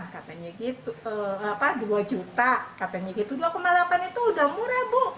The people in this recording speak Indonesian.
katanya gitu dua juta katanya gitu dua delapan itu udah murah bu